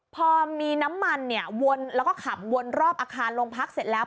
พอมีน้ำมันเนี่ยวนแล้วก็ขับวนรอบอาคารโรงพักเสร็จแล้ว